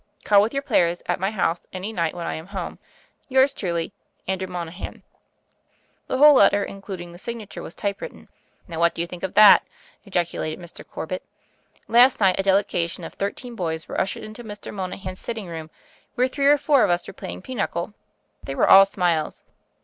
Call with your players at my house any night when I am home. "Yours truly, "Andrew Monahan." The whole letter, including the signature, was typewritten. "Now what do you think of that?" ejaculated Mr. Corbett. "Last night a delegation of thirteen boys were ushered into Mr. Mona han's sitting room, where three or four of us were playing pinochle. They were all smiles.